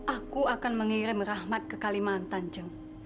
aku akan mengirim rahmat ke kalimantan